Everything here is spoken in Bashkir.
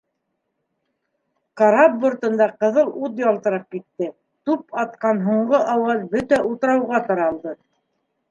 Карап бортында ҡыҙыл ут ялтырап китте, туп атҡан һуңғы ауаз бөтә утрауға таралды.